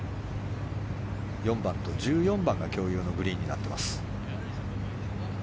４番と１４番が共有のグリーンになっています。